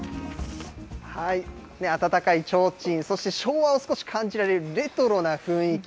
温かいちょうちん、そして昭和を少し感じられるレトロな雰囲気。